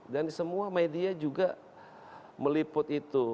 dan semua media juga meliput itu